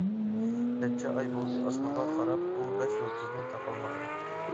نەچچە ئاي بولدى ئاسمانغا قاراپ بۇ بەش يۇلتۇزنى تاپالمىغىلى.